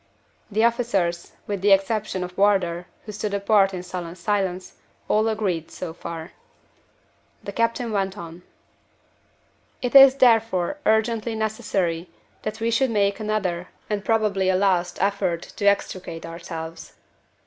The officers (with the exception of Wardour, who stood apart in sullen silence) all agreed, so far. The captain went on. "It is therefore urgently necessary that we should make another, and probably a last, effort to extricate ourselves.